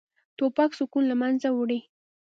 توپک سکون له منځه وړي.